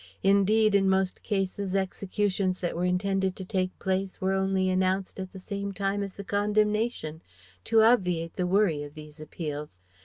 Indeed, in most cases executions that were intended to take place were only announced at the same time as the condemnation, to obviate the worry of these appeals.